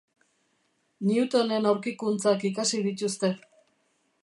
Newtonen aurkikuntzak ikasi dituzte.